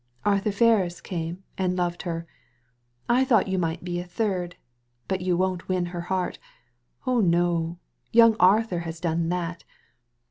"Arthur Ferris came and loved her. I thought you might be a third But you won't win her heart — oh no! Young Arthur has done that.